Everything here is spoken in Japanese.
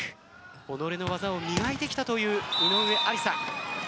己の技を磨いてきたという井上愛里沙。